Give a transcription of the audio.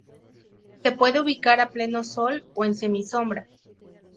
Se puede ubicar a pleno sol o en semisombra.